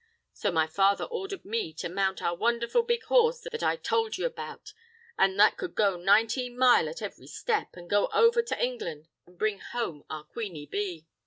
So my father ordhered me to mount our wondherful big horse that I tould ye about, an' that could go nineteen mile at every step, an' go over to Englan' an' bring home our queeny bee.